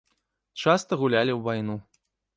Часта гулялі ў вайну.